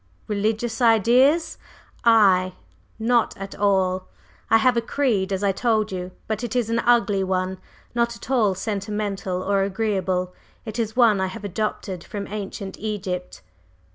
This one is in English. "Religious ideas! I! Not at all. I have a creed as I told you, but it is an ugly one not at all sentimental or agreeable. It is one I have adopted from ancient Egypt."